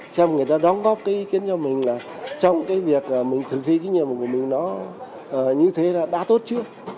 xem người ta đóng góp cái ý kiến cho mình là trong cái việc mình thực thi cái nhiệm vụ của mình nó như thế đã tốt chưa